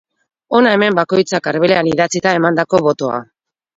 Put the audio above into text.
Hona hemen bakoitzak arbelean idatzita emandako botoa.